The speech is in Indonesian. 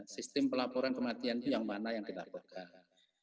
sistem pelaporan kematian itu yang mana yang kita pegang